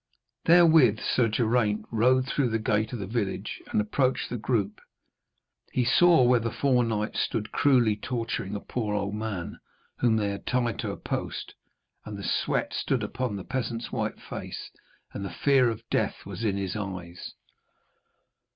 Therewith Sir Geraint rode through the gate of the village and approached the group. He saw where the four knights stood cruelly torturing a poor old man whom they had tied to a post, and the sweat stood upon the peasant's white face, and the fear of death was in his eyes.